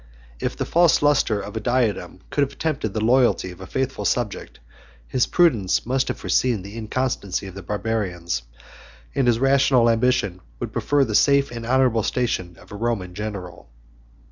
If the false lustre of a diadem could have tempted the loyalty of a faithful subject, his prudence must have foreseen the inconstancy of the Barbarians, and his rational ambition would prefer the safe and honorable station of a Roman general.